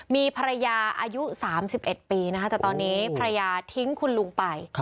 มีภรรยาอายุ๓๑ปีนะคะแต่ตอนนี้ภรรยาทิ้งคุณลุงไป